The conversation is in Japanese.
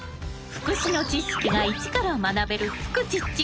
福祉の知識が一から学べる「フクチッチ」。